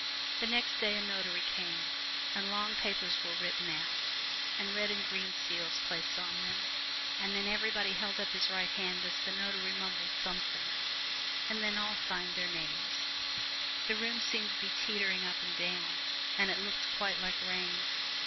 The next day a notary came, and long papers were written out, and red and green seals placed on them, and then everybody held up his right hand as the notary mumbled something, and then all signed their names. The room seemed to be teetering up and down, and it looked quite like rain.